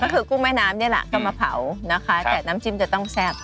ก็คือกุ้งแม่น้ำนี่แหละก็มาเผานะคะแต่น้ำจิ้มจะต้องแซ่บ